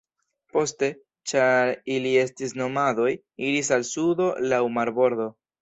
Poste, ĉar ili estis nomadoj, iris al sudo laŭ marbordo.